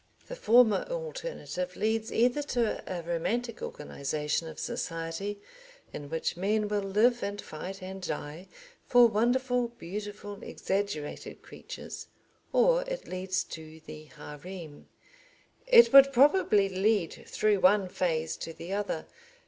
The former alternative leads either to a romantic organisation of society in which men will live and fight and die for wonderful, beautiful, exaggerated creatures, or it leads to the hareem. It would probably lead through one phase to the other.